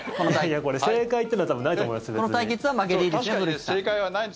これ、正解ってのは多分ないと思いますので。